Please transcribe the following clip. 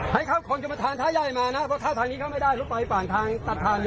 ให้เข้าของจับมันทางท้าย่ายมานะเพราะถ้าทางนี้เข้าไม่ได้รู้ไปป่านทางตัดทางหยด